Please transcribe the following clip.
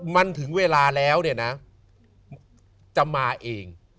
มันถึงเวลาแล้วเนี่ยนะจะมาเอง